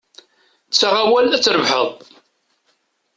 Ttaɣ awal, ad trebḥeḍ.